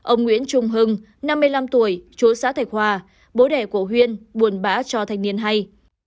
ông nguyễn trung hưng năm mươi năm tuổi chúa xã thạch hòa bố đẻ của huyên buồn bã cho thanh niên hay